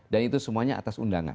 dan itu semuanya atas undangan